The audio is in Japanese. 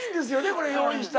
これ用意した。